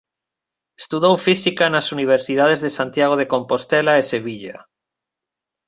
Estudou física nas universidades de Santiago de Compostela e Sevilla.